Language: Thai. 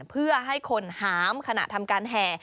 เพื่อให้คนหามขณะทำการแห่